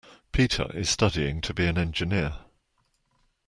Peter is studying to be an engineer.